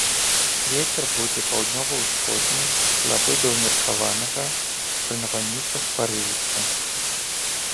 Вецер будзе паўднёва-ўсходні, слабы да ўмеркаванага, пры навальніцах парывісты.